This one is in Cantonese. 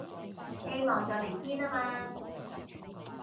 希望在明天啊嘛